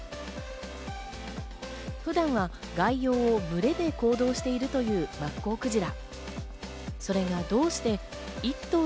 普段は海洋を群れで行動しているというマッコウクジラ。